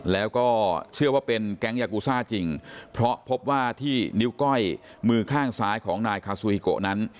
แล้วก็เชื่อว่าเป็นแก๊งยากูซ่าจริงเพราะพบว่าที่นิ้วก้อยมือข้างซ้ายของนายคาซูฮิโกนั้น